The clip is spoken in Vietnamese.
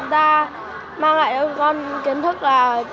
hôm nay chúng ta mang lại con kiến thức là